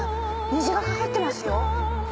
虹がかかってますよ！